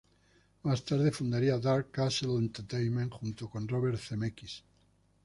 Más tarde fundaría Dark Castle Entertainment junto con Robert Zemeckis.